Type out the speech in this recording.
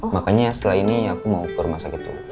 makanya setelah ini aku mau ke rumah sakit